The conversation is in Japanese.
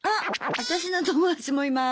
私の友達もいます。